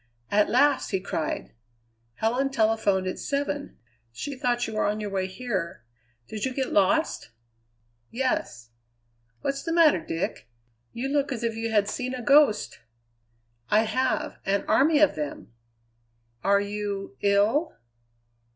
"At last!" he cried. "Helen telephoned at seven. She thought you were on your way here. Did you get lost?" "Yes." "What's the matter, Dick? You look as if you had seen a ghost." "I have. An army of them." "Are you ill?"